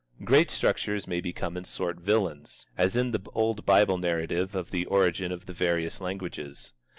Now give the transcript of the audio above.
Great structures may become in sort villains, as in the old Bible narrative of the origin of the various languages.